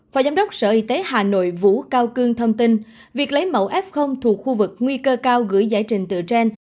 phó giám đốc sở y tế hà nội vũ cao cương thông tin việc lấy mẫu f thuộc khu vực nguy cơ cao gửi giải trình tự trên